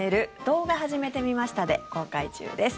「動画、はじめてみました」で公開中です。